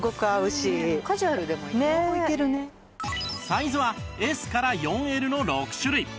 サイズは Ｓ から ４Ｌ の６種類